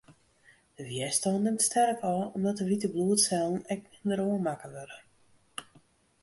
De wjerstân nimt sterk ôf, omdat de wite bloedsellen ek minder oanmakke wurde.